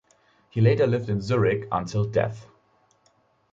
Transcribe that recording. He later lived in Zurich until death.